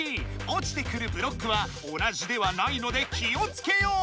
おちてくるブロックは同じではないので気をつけよう！